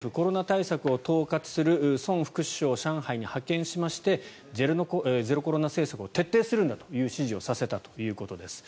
中国政府コロナ対策を統括するソン副首相を上海に派遣しましてゼロコロナ政策を徹底させるんだという指示をしたということです。